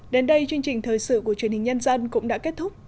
đến đây chương trình thời sự của truyền hình nhân dân cũng đã kết thúc